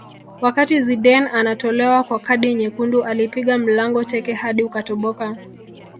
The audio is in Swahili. wakati zidane anatolewa kwa kadi nyekundu alipiga mlango teke hadi ukatoboka